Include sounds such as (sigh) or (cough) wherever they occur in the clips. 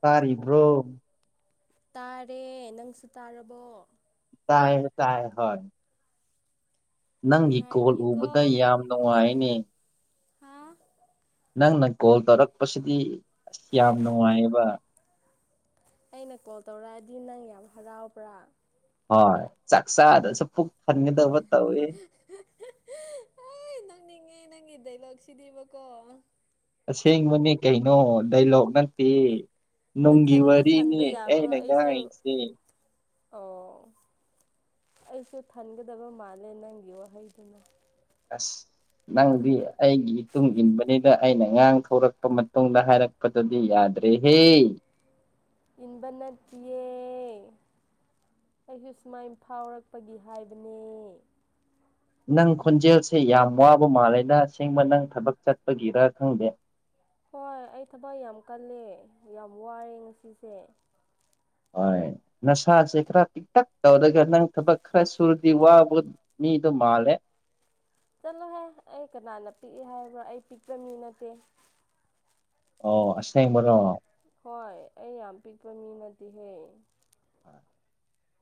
ꯇꯥꯔꯤꯕ꯭ꯔꯣ ꯇꯥꯔꯦ ꯅꯪꯁꯨ ꯇꯥꯔꯕꯣ ꯇꯥꯏ ꯇꯥꯏ ꯍ ꯅꯪꯒꯤ ꯀꯣꯜ ꯎꯕꯗ ꯅꯨꯡꯉꯥꯏꯔꯤꯀꯣ ꯌꯥꯝ ꯅꯨꯡꯉꯥꯏꯅꯦ ꯍꯥ ꯅꯪꯅ ꯀꯣꯜ ꯇꯧꯔꯛꯄꯁꯤꯗꯤ ꯑꯁ ꯌꯥꯝ ꯅꯨꯡꯉꯥꯏꯑꯕ ꯑꯩꯅ ꯀꯣꯜ ꯇꯧꯔꯛꯑꯗꯤ ꯅꯪ ꯌꯥꯝ ꯍꯔꯥꯎꯕ꯭ꯔꯥ ꯍꯣꯏ ꯆꯥꯛ ꯆꯥꯗꯁꯨ ꯄꯨꯛ ꯊꯟꯒꯗꯕ ꯇꯧꯋꯤ ꯍ ꯅꯪ ꯅꯤꯡꯉꯦ ꯅꯪꯗꯦꯂ ꯀꯁꯤꯗꯤꯕꯀꯣ ꯑꯁꯦꯡꯕꯅꯦ ꯀꯩꯅꯣ ꯗꯥꯏꯂꯣꯛ ꯅꯠꯇꯦ ꯅꯨꯡꯒꯤ ꯅꯊꯟꯇ ꯋꯥꯔꯤꯅꯦ ꯊꯟꯕ ꯌꯥꯕ꯭ꯔꯣ ꯑꯩꯅ ꯑꯩꯁꯨ ꯉꯥꯏꯁꯦ ꯑꯣ ꯑꯩꯁꯨ ꯊꯟꯒꯗꯕ ꯃꯥꯜꯂꯦ ꯅꯪꯒꯤ ꯋꯥꯍꯩꯗꯨꯅ ꯑꯁ ꯅꯪꯗꯤ ꯑꯩꯒꯤꯇꯨꯡ ꯏꯟꯕꯅꯤꯅ ꯑꯩꯅ ꯉꯥꯡ ꯊꯧꯔꯛꯄ ꯃꯇꯨꯡꯗ ꯍꯥꯏꯔꯛꯄꯗꯗꯤ ꯌꯥꯔꯦ ꯗ꯭ꯔꯦ ꯍꯦ ꯏꯟꯕꯅꯠꯇꯦ ꯑꯩꯁꯨ ꯁꯨꯃꯥꯏꯅ ꯐꯥꯎꯔꯛꯄꯒꯤ ꯍꯥꯏꯕꯅꯦ ꯅꯪ ꯈꯣꯟꯖꯦꯜꯁꯦ ꯌꯥꯝ ꯋꯥꯕ ꯃꯥꯜꯂꯦꯗ ꯑꯁꯦꯡꯕ ꯅꯪ ꯊꯕꯛ ꯆꯠꯄꯒꯤꯔ ꯈꯪꯗꯦ ꯍꯣꯏ ꯑꯩ ꯊꯕꯛ ꯌꯥꯝ ꯀꯜꯂꯦ ꯌꯥꯝ ꯋꯥꯔꯦ ꯉꯁꯤꯁꯦ ꯍꯣꯏ ꯎ ꯅꯁꯥꯁꯦ ꯈꯔ ꯄꯤꯛꯇꯛ ꯇꯧꯔꯒ ꯅꯪ ꯊꯕꯛ ꯈꯔ ꯁꯨꯔꯗꯤ ꯋꯥꯕ ꯃꯤꯗꯣ ꯃꯥꯜꯂꯦ ꯆꯠꯂꯣꯍꯦ ꯑꯩ ꯀꯅꯥꯅ ꯄꯤꯛꯏꯦ ꯍꯥꯏꯕ꯭ꯔꯥ ꯑꯩ ꯄꯤꯛꯛꯇꯕ ꯃꯤ ꯅꯠꯇꯦ ꯑꯣ ꯑꯁꯤꯁꯕꯅꯣ ꯍꯣꯏ ꯑꯩ ꯌꯥꯝ ꯄꯤꯛꯄ ꯃꯤꯅꯗꯤꯦꯍꯦ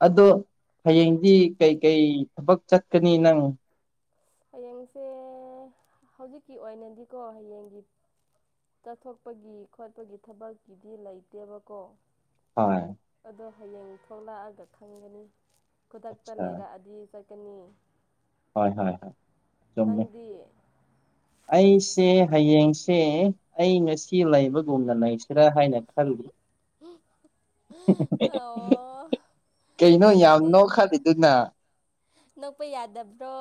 ꯑꯗꯣ ꯍꯌꯦꯡꯗꯤ ꯀꯩꯀꯩ ꯊꯕꯛ ꯆꯠꯀꯅꯤ ꯅꯪ ꯍꯌꯦꯡꯁꯦ ꯍꯧꯖꯤꯛꯀꯤ ꯑꯣꯏꯅꯗꯤꯀꯣ ꯍꯌꯦꯡꯒꯤ ꯆꯠꯊꯣꯛꯄꯒꯤ ꯈꯣꯠꯄꯒꯤ ꯊꯕꯛꯀꯤꯗꯤ ꯂꯩꯇꯦꯕꯀꯣ ꯍꯣꯏ ꯑꯗꯣ ꯍꯌꯦꯡ ꯊꯣꯛꯂꯛꯑꯒ ꯈꯪꯒꯅꯤ ꯈꯨꯗꯛꯇ ꯑꯠꯆꯥ ꯂꯩꯔꯛꯑꯗꯤ ꯆꯠꯀꯅꯤ ꯍꯣꯏ ꯍꯣꯏ ꯍꯣꯏ ꯆꯨꯝꯃꯦ ꯅꯪꯗꯤ ꯑꯩꯁꯦ ꯍꯌꯦꯡꯁꯦ ꯑꯩ ꯉꯁꯤ ꯂꯩꯕꯒꯨꯝꯅ ꯂꯩꯁꯤꯔꯥ ꯍꯥꯏꯅ ꯈꯜꯂꯤ ꯑꯣ ꯀꯩꯅꯣ ꯅꯪꯗꯤ ꯌꯥꯝꯅꯣ ꯈꯜꯂꯤꯗꯨꯅ ꯅꯣꯛꯄ ꯌꯥꯗꯕ꯭ꯔꯣ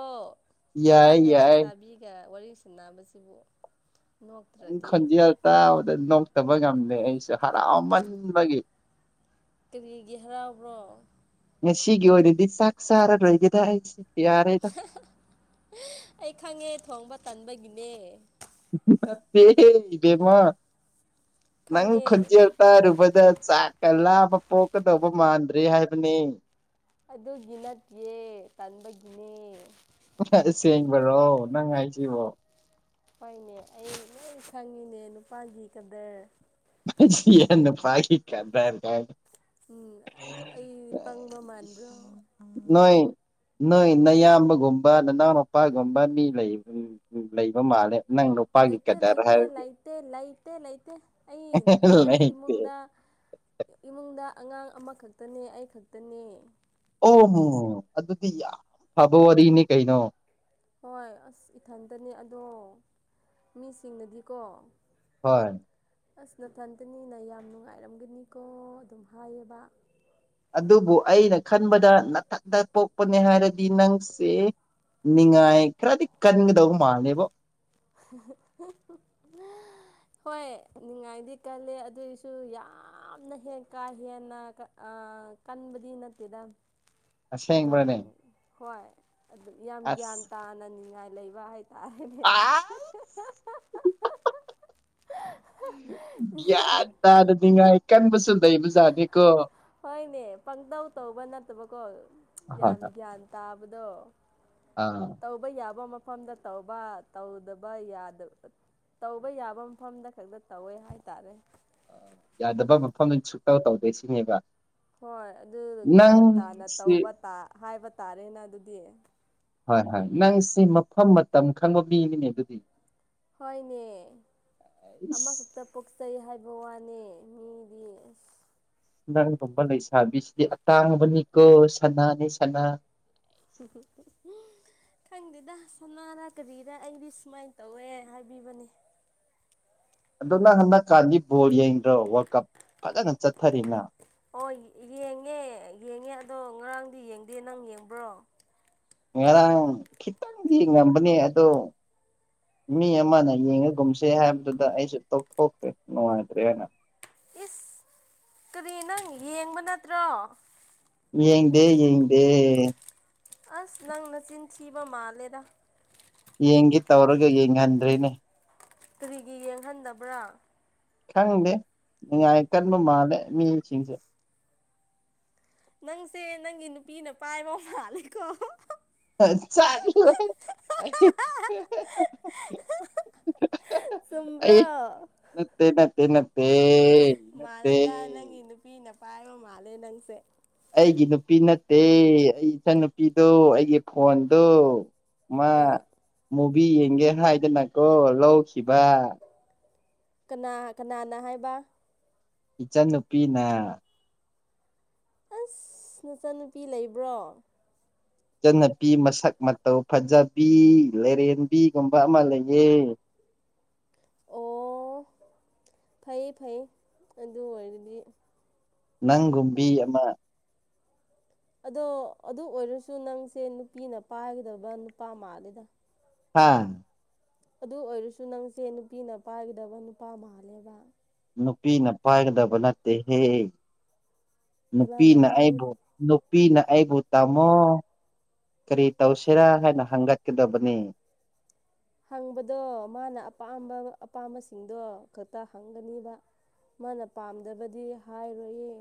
ꯌꯥꯏ ꯄꯥꯈꯪꯒ ꯂꯩ ꯌꯥꯏ ꯆꯥꯕꯤꯒ ꯋꯥꯔꯤ ꯄꯩꯁꯅꯕꯁꯤꯕꯨ ꯪ ꯈꯟꯖꯤ ꯍꯥꯏꯇꯥ ꯅꯣꯛꯇꯕ ꯉꯝꯗ ꯑꯩꯁꯦ ꯍꯔꯥꯎꯃꯟꯕꯒꯤ ꯀꯔꯤꯒꯤꯦꯍꯔꯥꯎꯕ꯭ꯔꯣ ꯉ ꯁꯤꯒꯤ ꯑꯣꯏꯅꯗꯤ ꯆꯥꯛ ꯆꯥꯔꯔꯣꯏꯒꯦꯗ ꯍꯥꯏꯁꯦ ꯑꯩ ꯈꯪꯉꯦ ꯊꯣꯡꯕ ꯇꯟꯕꯒꯤꯅꯦ ꯕꯦꯃꯥ ꯅꯪ ꯈꯪꯉꯦ ꯈꯟꯖꯔꯇꯥ ꯔꯨꯕꯗ ꯆꯀꯂ ꯄꯣꯛꯀꯗꯧꯕ ꯃꯥꯟꯗ꯭ꯔꯤ ꯍꯥꯏꯕꯅꯤ ꯑꯗꯨꯒꯤ ꯅꯠꯇꯦ ꯇꯟꯕꯒꯤꯅꯦ ꯑ ꯀꯥꯏ ꯆꯩꯕꯣ ꯍꯣꯏꯅꯦ ꯑꯩ ꯂꯣꯏ ꯁꯪꯉꯤꯅꯦ ꯅꯨꯄꯥꯒꯤꯒꯗ ꯟꯅ ꯐꯥꯀꯤꯤ ꯀꯥꯟ꯭ꯔꯔꯀ ꯎꯝ ꯑꯩ ꯄꯪꯕ ꯃꯥꯟꯕ꯭ꯔꯣ ꯅꯣꯏ ꯅꯣꯏ ꯅꯌꯥꯝꯕꯒꯨꯝꯕ ꯅꯅꯥꯎ ꯃꯨꯄꯥꯒꯨꯝꯕ ꯃꯤ ꯂꯩ ꯂꯩꯕ ꯃꯥꯜꯂꯦ ꯅꯪ ꯅꯨꯄꯥꯒꯤ ꯂꯩ ꯀꯗꯔ ꯂꯩꯇ ꯂꯩ ꯍꯥꯏꯔꯒ ꯂꯩꯇ ꯂꯩ ꯂꯩꯇ ꯂꯩꯇ ꯂꯩ ꯂꯩꯇ ꯑꯩ ꯑꯩꯈꯣꯏ ꯂꯩꯇꯦ ꯏꯃꯨꯡꯗ ꯏꯃꯨꯡꯗ ꯑꯉꯥꯡ ꯑꯃꯈꯛꯇꯅꯦ ꯑꯩꯈꯛꯇꯅꯦ ꯑꯣ ꯑꯗꯨꯗꯤ ꯌꯥꯝ ꯐꯕ ꯋꯥꯔꯤꯅꯤ ꯀꯩꯅꯣ ꯍꯣꯏ ꯑꯁ ꯏꯊꯟꯇꯅꯦ ꯑꯗꯣ ꯃꯤꯁꯤꯡꯅꯗꯤꯀꯣ ꯍꯣꯏ ꯑꯁ ꯅꯊꯟꯇꯅꯤꯅ ꯌꯥꯝ ꯅꯨꯡꯉꯥꯏꯔꯝꯒꯅꯤꯀꯣ ꯑꯗꯨꯝ ꯍꯥꯏꯌꯦꯕ ꯑꯗꯨꯕꯨ ꯑꯩꯅ ꯈꯟꯕꯗ ꯅꯊꯟꯇ ꯄꯣꯛꯄꯅꯦ ꯍꯥꯏꯔꯗꯤ ꯅꯪꯁꯦ ꯅꯤꯡꯉꯥꯏ ꯈꯔꯗꯤ ꯀꯟꯒꯗꯧꯕ ꯃꯥꯜꯂꯦꯕꯣ (unintelligible) ꯍꯣꯏ ꯅꯤꯡꯉꯥꯏꯗꯤ ꯀꯜꯂꯦ ꯑꯗꯨꯏꯁꯨ ꯌꯥꯝꯅ ꯍꯦ ꯀꯥ ꯍꯦꯟꯅ ꯑ ꯀꯟꯕꯗꯤ ꯅꯠꯇꯦꯗ ꯑꯗꯨꯝ ꯑꯁꯦꯡꯕ꯭ꯔꯅꯦ ꯍꯣꯏ ꯑꯗꯨꯝ ꯌꯥꯝ ꯒ꯭ꯌꯥꯟ ꯇꯥꯅꯅꯤꯡꯉꯥꯏ ꯂꯩꯕ ꯍꯥꯏ ꯑ ꯒ꯭ꯌꯥꯟ ꯇꯥꯔꯗꯤ ꯅꯤꯡꯉꯥꯏ ꯀꯟꯕꯨꯁꯨ ꯂꯩꯕꯖꯥꯜꯅꯤꯀꯣ ꯄꯪꯗꯧ ꯇꯧꯕꯅꯜꯇꯦ ꯐꯠꯇꯕꯀꯣ ꯍꯣꯏ ꯌꯥꯝ ꯍꯣꯏ ꯒ꯭ꯌꯥꯟ ꯇꯥꯕꯗꯣ ꯑꯥ ꯇꯧꯕ ꯌꯥꯕ ꯑꯃ ꯃꯣꯝꯗ ꯇꯧꯕ ꯇꯧꯗꯕ ꯌꯥꯗꯕ ꯇꯧꯕ ꯌꯥꯕ ꯃꯐꯝꯗ ꯈꯛꯇ ꯇꯧꯋꯦ ꯍꯥꯏꯇꯥꯔꯦ ꯑ ꯌꯥꯗꯕ ꯃꯐꯝꯗ ꯁꯨꯛꯇꯧ ꯇꯧꯗꯣꯏ ꯁꯤꯅꯦꯕ ꯍꯣꯏ ꯑꯗꯨ ꯒ꯭ꯌꯥꯟ ꯇꯥꯅ ꯅꯪꯁꯤ ꯇꯧꯕ ꯍꯥꯏꯕ ꯇꯥꯔꯦꯅ ꯑꯗꯨꯗꯤ ꯍꯣꯏ ꯍꯣꯏ ꯅꯪꯁꯦ ꯃꯐꯝ ꯃꯇꯝ ꯈꯪꯕ ꯃꯤꯅꯤꯅꯦ ꯑꯗꯨꯗꯤ ꯍꯣꯏꯅꯦ ꯑꯩꯁ ꯑꯃꯈꯛꯇ ꯄꯣꯛꯆꯩ ꯍꯥꯏꯕ ꯋꯥꯅꯦ ꯃꯤꯗꯤ ꯑꯁ ꯅꯪꯒꯨꯝꯕ ꯂꯩꯁꯥꯕꯤꯁꯤꯗꯤ ꯑꯇꯥꯡꯕꯅꯤꯀꯣ ꯁꯅꯥꯅꯤ ꯁꯅꯥ (unintelligible) ꯈꯪꯗꯦꯗ ꯁꯅꯥꯔ ꯀꯔꯤꯔ ꯑꯩꯗꯤ ꯁꯨꯃꯥꯏꯅ ꯇꯧꯋꯦ ꯍꯥꯏꯕꯤꯕꯅꯤ ꯑꯗꯣ ꯅꯪ ꯍꯟꯗꯛꯀꯥꯟꯗꯤ ꯕꯣꯜ ꯌꯦꯡꯗ꯭ꯔꯣ ꯋꯥꯔꯜ ꯀꯞ ꯐꯖꯅ ꯆꯠꯊꯔꯤꯅ ꯑꯣ ꯌꯦꯡꯉꯦ ꯌꯦꯡꯉꯦ ꯑꯗꯣ ꯉꯔꯥꯡꯗꯤ ꯌꯦꯡꯗꯦ ꯅꯪ ꯌꯦꯡꯕ꯭ꯔꯣ ꯉꯔꯥꯡ ꯈꯤꯇꯪꯗꯤ ꯉꯄꯅꯤ ꯑꯗꯣ ꯃꯤ ꯑꯃꯅ ꯌꯦꯡꯉꯒꯨꯝꯁꯦ ꯍꯥꯏꯕꯗꯨꯗ ꯑꯩꯁꯨ ꯇꯣꯛꯊꯣꯛꯇ꯭ꯔꯦ ꯅꯨꯡꯉꯥꯏꯇ꯭ꯔꯦꯅ ꯏꯁ ꯀꯔꯤ ꯅꯪ ꯌꯦꯡꯕ ꯅꯠꯇ꯭ꯔꯣ ꯌꯦꯡꯗꯦ ꯌꯦꯡꯗꯦ ꯑꯁ ꯅꯪꯅꯆꯤꯟ ꯊꯤꯕ ꯃꯥꯜꯂꯦꯗ ꯌꯦꯡꯒ ꯇꯧꯔꯒ ꯌꯦꯡꯍꯟꯗꯔꯦꯅꯦ ꯀꯔꯤꯒꯤ ꯌꯦꯡꯍꯟꯗꯕ꯭ꯔꯥ ꯈꯪꯗꯦ ꯅꯤꯡꯉꯥꯏ ꯀꯟꯕ ꯃꯥꯜꯂꯦ ꯃꯤꯁꯤꯡꯁꯦ ꯅꯪꯁꯦ ꯅꯪꯒꯤ ꯅꯨꯄꯤꯅ ꯄꯥꯏꯕ ꯃꯥꯜꯂꯦꯀꯣ ꯆꯠꯂꯣ ꯑꯩ ꯆꯨꯝꯕ꯭ꯔꯣ ꯅꯠꯇꯦ ꯅꯠꯇꯦ ꯅꯠꯇꯦ ꯅꯠꯇꯦ ꯃꯥꯂꯦꯗ ꯅꯪꯒꯤ ꯅꯨꯄꯤꯅ ꯄꯥꯏꯕ ꯃꯥꯜꯂꯦ ꯅꯪꯁꯦ ꯑꯩꯒꯤ ꯅꯨꯄꯤ ꯅꯠꯇꯦ ꯑꯩ ꯏꯆꯟ ꯅꯨꯨꯄꯤꯗꯣ ꯑꯩꯒꯤ ꯐꯣꯟꯗꯣ ꯃꯥ ꯑ ꯃꯨꯚꯤ ꯌꯦꯡꯒꯦ ꯍꯥꯏꯗꯨꯅꯀꯣ ꯂꯧꯈꯤꯕ ꯀꯅꯥ ꯀꯅꯥꯅ ꯍꯥꯏꯕ ꯏꯆꯟꯅꯨꯄꯤꯅ ꯑꯁ ꯅꯆꯟꯅꯨꯄꯤ ꯂꯩꯕ꯭ꯔꯣ ꯏꯆꯟꯅꯨꯄꯤ ꯃꯁꯛ ꯃꯇꯧ ꯐꯖꯕꯤ ꯂꯥꯔꯦꯟꯕꯤꯒꯨꯝꯕ ꯑꯃ ꯂꯩꯑ (inaudible) ꯑꯣ ꯐꯩ ꯐꯩ ꯑꯗꯨ ꯑꯣꯏꯔꯗꯤ ꯅꯪꯒꯨꯝꯕꯤ ꯍꯨꯝ ꯑꯃ ꯑꯗꯣ ꯑꯗꯨ ꯑꯣꯏꯔꯁꯨ ꯅꯪꯁꯦ ꯅꯨꯄꯤꯅ ꯄꯥꯏꯒꯗꯕ ꯅꯨꯄꯥ ꯃꯥꯜꯂꯤꯦꯗ ꯍꯥꯥ ꯑꯗꯨ ꯑꯣꯏꯔꯁꯨ ꯅꯪꯁꯦ ꯅꯨꯄꯤꯅ ꯄꯥꯏꯒꯗꯕ ꯅꯨꯄꯥ ꯃꯥꯜꯂꯦꯕ ꯅꯨꯄꯤꯅ ꯄꯥꯏꯒꯗꯕ ꯅꯠꯇꯦꯍꯦ ꯀꯅꯥꯅ ꯅꯨꯄꯤꯅ ꯄꯥꯏ ꯑꯩꯕꯨ ꯄꯤꯅ ꯑꯩꯕꯨ ꯇꯥꯝꯃꯣ ꯀꯔꯤ ꯇꯧꯁꯤꯔꯥ ꯍꯥꯏꯅ ꯍꯪꯒꯠꯀꯗꯕꯅꯤ ꯍꯪꯕꯗꯣ ꯃꯥꯅ ꯑꯄꯥꯝꯕ ꯑꯄꯥꯝꯕꯁꯤꯡꯗꯣ ꯈꯛꯇ ꯍꯪꯒꯅꯦꯕ ꯃꯥꯅ ꯄꯥꯝꯗꯕꯗꯤ ꯍꯥꯏꯔꯣꯏꯌꯦ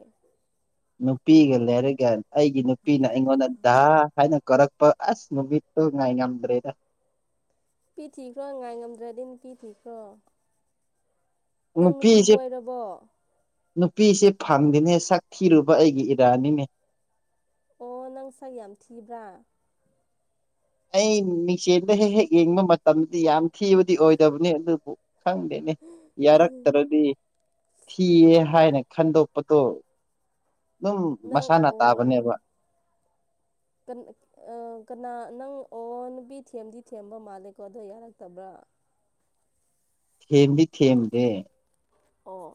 ꯅꯨꯄꯤꯒ ꯂꯩꯔꯒ ꯑꯩꯒꯤ ꯅꯨꯄꯤꯅ ꯑꯩꯉꯣꯟꯗ ꯗꯥ ꯍꯥꯏꯅ ꯀꯥꯔꯛꯄ ꯑꯁ ꯅꯨꯃꯤꯠꯇꯨ ꯉꯥꯏ ꯉꯝꯗ꯭ꯔꯦꯗ ꯄꯤ ꯊꯤꯈ꯭ꯔꯣ ꯉꯥꯏ ꯉꯝꯗ꯭ꯔꯗꯤꯅ ꯄꯤꯊꯤꯈ꯭ꯔꯣ ꯅꯨꯄꯤꯁꯦ ꯅꯨꯄꯤꯁꯦ ꯐꯪꯗꯤꯅꯦ ꯁꯛ ꯊꯤꯔꯨꯕ ꯑꯩꯒꯤ ꯏꯔꯥꯅꯤꯅꯦ ꯑꯣ ꯅꯪ ꯁꯥꯏ ꯌꯥꯝ ꯊꯤꯕ꯭ꯔꯥ ꯑꯩ ꯃꯤꯡꯆꯦꯜꯗ ꯍꯦꯛ ꯍꯦꯛ ꯌꯦꯡꯕ ꯃꯇꯝꯗꯗꯤ ꯌꯥꯝ ꯊꯤꯕꯗꯤ ꯑꯣꯏꯗꯕꯅꯤ ꯑꯗꯨꯕꯨ ꯈꯪꯗꯦꯅꯦ ꯌꯥꯔꯛꯇ꯭ꯔꯗꯤ ꯊꯤꯌꯦ ꯍꯥꯏꯅ ꯈꯟꯗꯣꯛꯄꯗꯣ ꯑꯗꯨꯝ ꯅꯪ ꯃꯁꯥꯅ ꯑꯣ ꯇꯥꯕꯅꯦꯕ ꯀ ꯀꯅꯥ ꯅꯪ ꯑꯣꯟꯕꯤ ꯊꯦꯝꯗꯤ ꯊꯦꯝꯕ ꯃꯥꯜꯂꯦꯀꯣ ꯑꯗꯣ ꯌꯥꯔꯛꯇꯕ꯭ꯔꯥ ꯊꯦꯝꯗꯤ ꯊꯦꯝꯦꯝꯗꯦ ꯑꯣ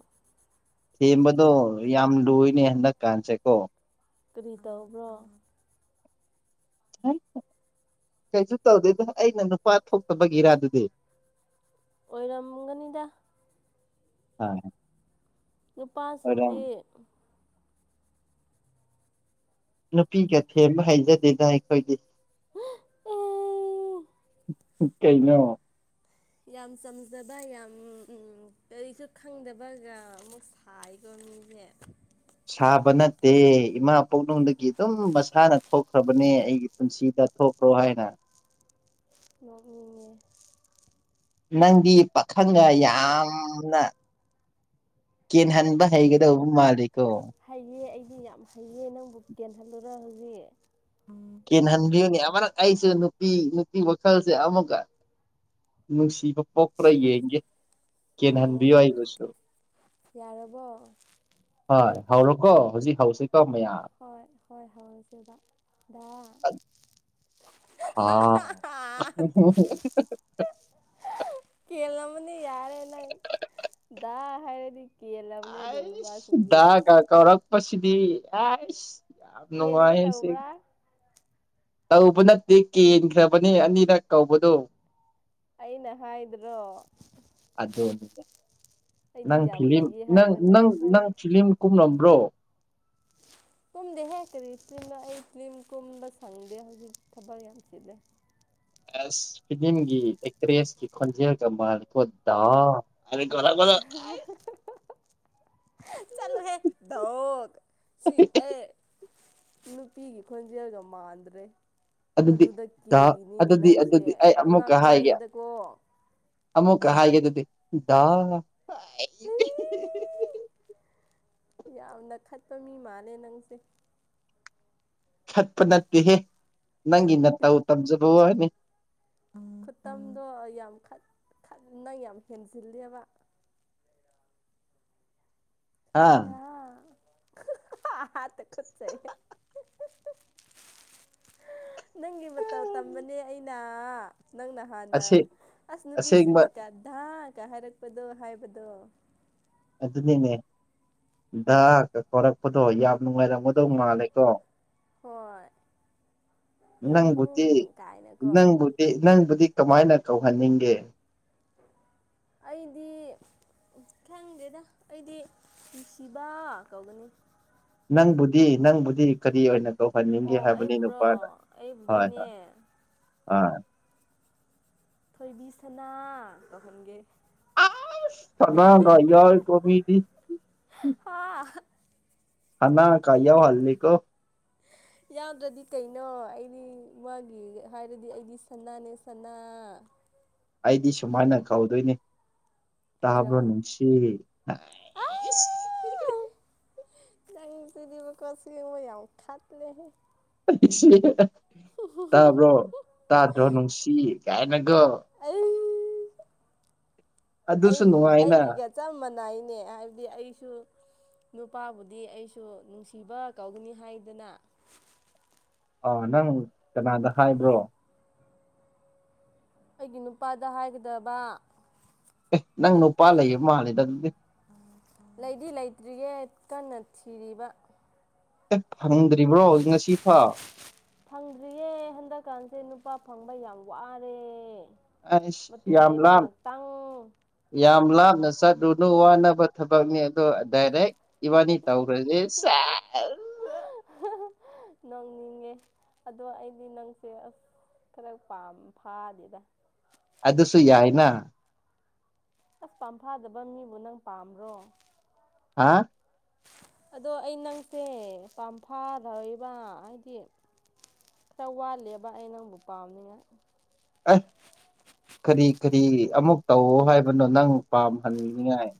ꯊꯦꯝꯕꯗꯣ ꯌꯥꯝ ꯂꯣꯏꯅꯦ ꯍꯟꯗꯛꯀꯥꯟꯁꯦꯀꯣ ꯀꯔꯤ ꯇꯧꯕ꯭ꯔꯣ ꯑ ꯀꯩꯁꯨ ꯇꯧꯗꯦꯗ ꯑꯩꯅ ꯅꯨꯄꯥ ꯊꯣꯛꯇꯕꯒꯤꯔꯥꯗꯨꯗꯤ ꯑꯣꯏꯣꯏꯔꯝꯒꯅꯤꯗꯗꯥ ꯑ ꯅꯨꯄꯥꯁꯤꯡꯒꯤꯗꯤ ꯅꯨꯄꯤꯒ ꯊꯦꯝꯕ ꯍꯩꯖꯗꯦꯗ ꯑꯩꯈꯣꯏꯒꯤ ꯀꯩꯩꯅ ꯌꯥꯝ ꯆꯝꯖꯕ ꯌꯥꯝ ꯀꯔꯤꯁꯨ ꯈꯪꯗꯕꯒ ꯑꯃꯨꯛ ꯁꯥꯏꯀꯣ ꯇꯨꯡꯕꯦ ꯁꯥꯕ ꯅꯠꯇꯦ ꯏꯃꯥ ꯄꯣꯛꯅꯨꯡꯗꯒꯤ ꯑꯗꯨꯝ ꯃꯁꯥꯅ ꯊꯣꯛꯈ꯭ꯔꯕꯅꯦ ꯑꯩꯒꯤ ꯄꯨꯟꯁꯤꯗ ꯊꯣꯛ ꯀ꯭ꯔꯣ ꯍꯥꯏꯅ ꯅꯅꯦ ꯅꯪꯗꯤ ꯄꯥꯈꯪꯒ ꯌꯥꯝꯅ ꯀꯩꯅꯍꯟꯕ ꯍꯩꯒꯗ ꯑꯣꯕꯨ ꯃꯥꯂꯤꯛ ꯍꯩꯌꯦ ꯑꯩꯗꯤ ꯌꯥꯝ ꯍꯩꯌꯦ ꯅꯪꯕꯨ ꯀꯦꯜꯍꯜꯂꯨꯔ ꯍꯧꯖꯤꯛ ꯀꯍꯟꯕꯤꯌꯨꯅꯦ ꯑꯃꯅꯛ ꯑꯩꯁꯦ ꯅꯨꯄꯤ ꯅꯨꯄꯤ ꯋꯥꯈꯜꯁꯦ ꯑꯃꯨꯛ ꯅꯨꯡꯁꯤꯕ ꯄꯣꯛꯄ꯭ꯔꯌꯦꯒꯦ ꯀꯦꯟꯍꯥꯟꯕꯤ ꯑꯣ ꯍꯥꯏꯒꯁꯁꯨ ꯌꯥꯔꯕꯣ ꯍ ꯍꯥꯎꯔꯣꯀꯣ ꯍꯧꯖꯤꯛ ꯍꯥꯎꯁꯦ ꯍꯣꯏ ꯍꯣꯏ ꯍꯧꯔꯁꯦꯕꯗ ꯍꯥꯥ ꯀꯦꯜꯂꯝꯅꯤ ꯌꯥꯔꯦ ꯅꯪ ꯗꯥ ꯍꯥꯏꯔꯗꯤ ꯀꯦꯜꯂꯕꯅꯦ ꯑꯗꯨꯝ ꯑꯁ ꯅꯨꯄꯥꯁꯤꯡꯗꯤ ꯗꯒ ꯀꯧꯔꯛꯄꯁꯤꯗꯤ ꯑꯁ ꯀꯦꯟꯒꯦ ꯅꯉꯁꯦ ꯇꯧꯕ꯭ꯔꯥ ꯇꯧꯕ ꯅꯠꯇꯦ ꯀꯦꯟꯈ꯭ꯔꯕꯅꯤ ꯑꯅꯤꯔꯛ ꯀꯧꯕꯗꯨꯣ ꯑꯩꯅ ꯍꯥꯏ꯭ꯔꯣ ꯑꯗꯨꯅꯤꯅꯦ ꯅꯪ ꯐꯤꯂꯤꯝ ꯅꯪ ꯅꯪ ꯍꯥꯏ ꯅꯪ ꯐꯤꯂꯤꯝ ꯀꯨꯝꯂꯝꯕ꯭ꯔꯣ ꯀꯨꯝꯗꯦꯍꯦꯛ ꯀꯔꯤ ꯐꯤꯂꯝꯅ ꯑꯩ ꯐ꯭ꯤꯝ ꯀꯨꯝꯕ ꯁꯪꯗꯦ ꯍꯧꯖꯤꯛ ꯊꯕꯔ ꯌꯥꯝ ꯆꯤꯜꯂꯦ ꯑꯦꯁ ꯐꯤꯂꯝꯒꯤ ꯑꯦꯛꯇ꯭ꯔꯦꯁꯀꯤ ꯈꯣꯟꯖꯦꯜꯒ ꯃꯥꯀꯣꯗꯥ ꯑ ꯔꯒꯂ ꯆꯂꯨ ꯍꯦ ꯗ ꯁꯤ ꯑꯦ ꯅꯨꯄꯤꯒꯤ ꯈꯣꯟꯖꯦꯜꯒ ꯃꯥꯟꯗ꯭ꯔꯦ ꯑꯗꯨꯗꯤ ꯑꯗꯨꯗ ꯗꯥ ꯀꯦꯜꯂꯤꯅꯤꯅꯦ ꯑꯗꯨꯗꯤ ꯅꯪꯁꯦ ꯑꯗꯨꯗꯤ ꯑꯩ ꯑꯃꯨꯛꯀ ꯍꯥꯏꯒꯦ ꯑꯉꯛꯄꯅꯦꯗꯀꯣ ꯑꯃꯨꯛꯀ ꯍꯥꯏꯒꯦ ꯑꯗꯨꯗꯤ ꯌꯥꯝꯅ ꯈꯠꯄ ꯃꯤ ꯃꯥꯜꯂꯦ ꯅꯪꯁꯦ ꯊꯠꯄ ꯅꯠꯇꯦꯍꯦ ꯅꯪꯒꯤ ꯅ ꯇꯧ ꯇꯝꯖꯕ ꯋꯥꯅꯤ ꯈꯨꯠꯇꯝꯗꯣ ꯌꯥꯝ ꯈꯠꯅ ꯌꯥꯝ ꯍꯦꯟꯖꯤꯜꯂꯦꯕ ꯍꯥ ꯗ ꯑ ꯍꯥ ꯈꯨꯠꯁ ꯅꯪꯒꯤ ꯃꯇꯧ ꯇꯝꯕꯅꯦ ꯑꯩꯅ ꯅꯪꯅ ꯍꯥꯟꯅ ꯑꯁꯤ ꯑꯁ ꯑꯁꯦꯡꯕ ꯅꯨꯄꯤꯁꯤꯡꯅꯒꯙꯥꯒ ꯍꯥꯏꯔꯛꯄꯗꯣ ꯐꯥꯏꯕꯗ ꯑꯗꯨ ꯑꯗꯨꯅꯦ ꯀꯧꯔꯛꯄꯗꯣ ꯌꯥꯝ ꯅꯨꯡꯉꯥꯏꯔꯝꯃꯗꯧ ꯃꯥꯜꯂꯦꯀꯣ ꯍꯣꯏ ꯏꯪꯕꯨꯇꯤ ꯌꯥꯝꯕꯨꯡ ꯀꯥꯏꯅꯀꯣ ꯏꯪꯕꯨꯇꯤ ꯏꯪꯕꯨꯇ ꯀꯃꯥꯏꯅ ꯀꯧꯍꯟꯅꯤꯡꯒꯦ ꯑꯩꯗꯤ ꯎ ꯈꯪꯗꯦꯗ ꯑꯩꯗꯤ ꯅꯨꯡꯁꯤꯕ ꯀꯧꯒꯅꯤ ꯅꯪꯕꯨꯗꯤ ꯅꯪꯕꯨꯗꯤ ꯀꯔꯤ ꯑꯣꯏꯅ ꯍꯅꯤꯡꯗꯤ ꯑꯣ ꯍꯥꯏꯕꯅꯤ ꯅꯄꯥ ꯑꯩꯕꯨꯔꯣ ꯍ ꯍꯣꯏ ꯑꯩꯕꯨꯗꯤꯅꯦ ꯑ ꯊꯣꯏꯕꯤꯁꯅ ꯇꯈꯟꯒ ꯄꯅꯏ ꯌꯥ ꯀꯃꯤꯗꯤ ꯍꯥ ꯍꯅꯥ ꯀꯥꯏ ꯌꯥ ꯍꯜꯅꯤ ꯀꯣ ꯌꯥꯎꯗ꯭ꯔꯗꯤ ꯀꯩꯅꯣ ꯑꯩꯗꯤ ꯃꯥꯒꯤ ꯍꯥꯏꯔꯗꯤ ꯑꯩꯗꯤ ꯁꯅꯥꯅꯦ ꯁꯅꯥ (inaudible) ꯑꯩꯗꯤ ꯁꯨꯍꯥꯏꯅ ꯀꯧꯗꯣꯏꯅꯤ ꯍꯥꯏꯔꯛꯑꯣ ꯇꯥꯕꯅꯁꯤ ꯀ ꯇꯗꯤꯔꯤꯕ ꯀꯁꯤꯒ ꯃꯣꯏ ꯌꯥꯥꯎ ꯈꯥꯗ ꯂꯩꯍꯦ (inaudible) ꯇꯥꯕ꯭ꯔꯣ ꯇꯥꯗ꯭ꯔꯣ ꯅꯨꯡꯁꯤ ꯀꯩ ꯍꯥꯏꯅꯒ ꯑꯩ ꯑꯗꯨꯁꯨ ꯑꯩ ꯅꯨꯡꯉꯥꯏꯅ ꯑꯩꯒꯤꯒ ꯆꯞ ꯃꯥꯟꯅꯏꯅꯦ ꯍꯥꯏꯕꯗꯤ ꯑꯩꯁꯨ ꯅꯨꯄꯥꯕꯨꯗꯤ ꯑꯩꯁꯨ ꯅꯨꯡꯁꯤꯕ ꯀꯧꯒꯅꯤ ꯍꯥꯏꯗꯅ ꯑ ꯅꯪ ꯀꯅꯥꯗ ꯍꯥꯏꯕ꯭ꯔꯣ ꯑꯩꯒꯤ ꯅꯨꯄꯥꯗ ꯍꯥꯏꯒꯗꯕ ꯑꯦ ꯅꯪ ꯅꯨꯄꯥ ꯂꯩꯌꯦ ꯃꯥꯜꯜꯂꯤꯗ ꯑꯗꯨꯗꯤ ꯂꯩꯗꯤ ꯂꯩꯇ꯭ꯔꯤꯌꯦ ꯀꯟꯅ ꯊꯤꯔꯤꯕ ꯍꯦꯛ ꯐꯪꯗ꯭ꯔꯤꯕ꯭ꯔꯣ ꯍꯧꯖꯤꯛ ꯉꯁꯤ ꯐꯥꯎ ꯏꯄꯥ ꯐꯪꯕ ꯌꯥꯝ ꯋꯥꯔꯦ ꯑꯩ ꯃꯇꯨ ꯂꯩꯕ ꯌꯥꯝꯂꯥꯡ ꯉꯥꯛꯇꯪ ꯌꯥꯝꯂꯥꯡ ꯆꯠꯂꯨꯅꯨ ꯋꯥꯅꯕ ꯊꯕꯛꯅꯤ ꯑꯗꯣ ꯗꯥꯏꯔꯦꯛ ꯏꯕꯥꯅꯤ ꯇꯧꯈ꯭ꯔꯁꯦ ꯅꯣꯡꯅꯤꯡꯉꯦ ꯑꯗꯣ ꯑꯩꯗꯤ ꯅꯪꯁꯦ ꯑꯁ ꯈꯔ ꯐꯥꯗꯦꯗ ꯑꯗꯨꯁꯨ ꯌꯥꯏꯅ ꯑꯁ ꯄꯝꯐꯥꯗꯕ ꯃꯤꯕꯨ ꯅꯪ ꯄꯥꯝꯕ꯭ꯔꯣ ꯍꯥ ꯑꯗꯣ ꯑꯩ ꯅꯪꯁꯦ ꯄꯝꯐꯥꯔꯧꯕ ꯍꯥꯏꯗꯤ ꯈꯔ ꯋꯥꯠꯂꯦꯕ ꯑꯩ ꯅꯪꯕꯨ ꯄꯥꯝꯅꯤꯉꯥꯏ ꯑ ꯀꯔꯤ ꯀꯔꯤ ꯑꯃꯨꯛ ꯇꯧ ꯍꯥꯏꯕꯅꯣ ꯅꯪ ꯄꯥꯝꯍꯟꯅꯤꯡꯉꯥꯏ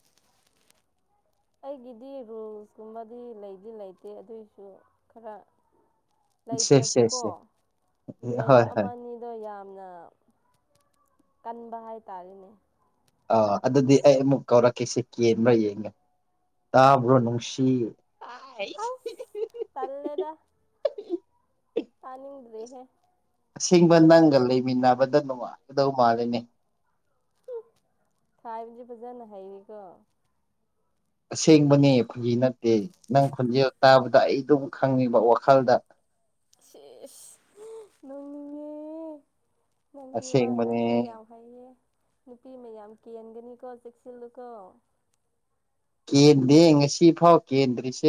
ꯑꯩꯒꯤꯗꯤ ꯔꯨꯜꯁꯀꯨꯝꯕꯗꯤ ꯂꯩꯗꯤ ꯂꯩꯇꯦ ꯑꯗꯨꯏꯁꯨ ꯈꯔ ꯁꯦ ꯁꯦ ꯂꯩꯇ꯭ꯔꯁꯨꯀꯣ ꯁꯦ ꯂꯩꯕ ꯍꯣꯏ ꯍꯣꯏ ꯑꯃꯅꯤꯗꯣ ꯌꯥꯝ ꯌꯥꯝꯅ ꯀꯟꯕ ꯍꯥꯏꯇꯥꯔꯦꯅꯦ ꯑꯥ ꯑꯗꯨꯗꯤ ꯑꯩ ꯑꯃꯨꯛ ꯀꯧꯔꯛꯀꯦꯁꯤ ꯀꯦꯟꯕ꯭ꯔꯥ ꯌꯦꯡꯉꯦ ꯇꯥꯕ꯭ꯔꯣ ꯅꯨꯡꯁꯤ ꯑꯁ ꯇꯥꯅꯤꯡꯗꯔ‌ꯦꯍꯦ ꯑꯁꯦꯡꯕ ꯅꯪꯒ ꯂꯩꯃꯤꯟꯅꯕꯗ ꯅꯨꯡꯉꯥꯏꯒꯗꯧ ꯃꯥꯜꯂꯤꯅꯦ ꯈꯥꯏꯕꯗꯤ ꯐꯖꯅ ꯍꯩꯔꯤꯀꯣ ꯑꯁꯦꯡꯕꯅꯦ ꯐꯒꯤ ꯅꯠꯇꯦ ꯅꯪ ꯈꯣꯟꯖꯦꯜ ꯇꯥꯕꯗ ꯑꯩ ꯑꯗꯨꯝ ꯈꯪꯅꯤꯡꯕ ꯋꯥꯈꯜꯗ ꯁꯤꯁ ꯍ ꯅ‌ꯣꯛꯅꯤꯡꯉ‌ꯦ ꯅꯪꯗꯤ ꯋꯥ ꯑꯁꯦꯡꯕꯅꯦ ꯉꯥꯡꯕ ꯌꯥꯝ ꯍꯩꯌꯦ ꯅꯨꯄꯤ ꯃꯌꯥꯝ ꯀ‌ꯦꯟꯒꯅꯤꯀꯣ ꯆꯦꯛꯁꯤꯜꯂꯨꯀ‌ꯣ ꯀꯦꯟꯗꯦ ꯉꯁꯤ ꯐꯥꯎ ꯀꯦꯟꯗ꯭ꯔꯤꯁꯦ